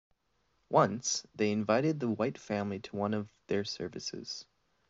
Once they invited the white family to one of their services.